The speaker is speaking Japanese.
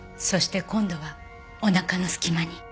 そして今度はお腹の隙間に。